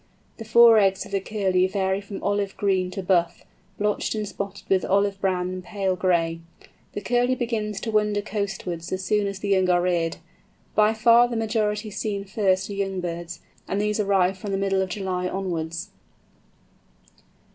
The four eggs of the Curlew vary from olive green to buff, blotched and spotted with olive brown and pale gray. The Curlew begins to wander coastwards as soon as the young are reared. By far the majority seen first are young birds, and these arrive from the middle of July onwards.